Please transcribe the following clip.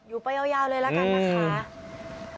อยู่ไปยาวเลยละกันนะคะ